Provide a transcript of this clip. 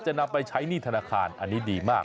นำไปใช้หนี้ธนาคารอันนี้ดีมาก